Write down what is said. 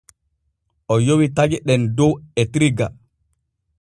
O yowi taƴe ɗen dow etirga.